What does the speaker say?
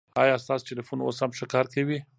ایا ستاسو ټلېفون اوس هم ښه کار کوي؟